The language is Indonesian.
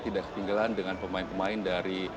tidak setinggalan dengan pemain pemain dari